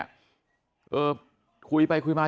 แล้วทีนี้พอคุยมา